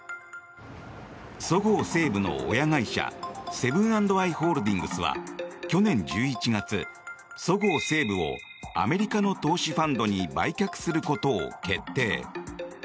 そごう・西武の親会社セブン＆アイ・ホールディングスは去年１１月、そごう・西武をアメリカの投資ファンドに売却することを決定。